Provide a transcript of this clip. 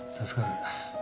助かる。